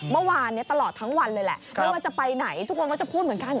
เมื่อวานนี้ตลอดทั้งวันเลยแหละไม่ว่าจะไปไหนทุกคนก็จะพูดเหมือนกัน